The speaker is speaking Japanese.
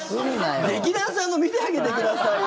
劇団さんの見てあげてくださいよ。